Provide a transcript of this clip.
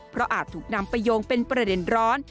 เพราะอาจถูกนำไปโยงเป็นประเด็นร้อน